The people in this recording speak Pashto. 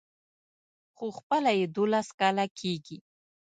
خو خپله يې دولس کاله کېږي.